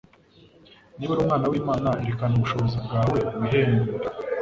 "Niba uri Umwana w'Imana" erekana ubushobozi bwawe wihembure.